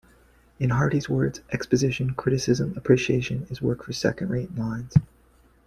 In Hardy's words, Exposition, criticism, appreciation, is work for second-rate minds.